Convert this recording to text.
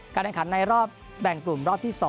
การแข่งขันในรอบแบ่งกลุ่มรอบที่๒